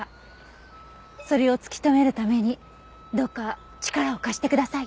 それを突き止めるためにどうか力を貸してください。